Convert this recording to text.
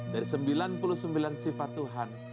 dari sembilan puluh sembilan sifat tuhan